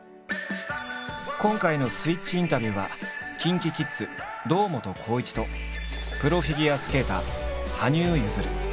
今回の「スイッチインタビュー」はＫｉｎＫｉＫｉｄｓ堂本光一とプロフィギュアスケーター羽生結弦。